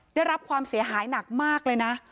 ได้รับความเสียหายหนักมากเลยนะ